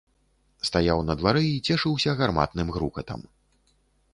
Стаяў на дварэ і цешыўся гарматным грукатам.